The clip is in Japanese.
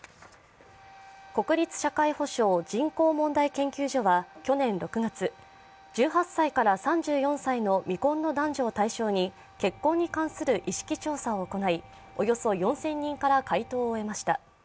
国立社会保障・人口問題研究所は去年６月、１８歳から３４歳の未婚の男女を対象に結婚に関する意識調査を行いおよそ４０００人から回答を得ました。